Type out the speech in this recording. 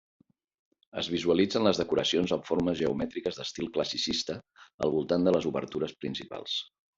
Es visualitzen les decoracions amb formes geomètriques d'estil classicista al voltant de les obertures principals.